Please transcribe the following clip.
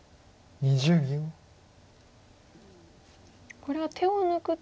これは手を抜くと。